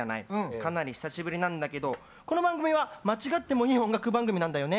かなり久しぶりなんだけどこの番組は間違ってもいい音楽番組なんだよね。